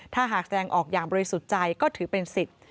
ถ้าหากแสดงออกอย่างบริสุทธิ์ใจก็ถือเป็นสิทธิ์